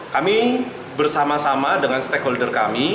kami bersama sama dengan stakeholder kami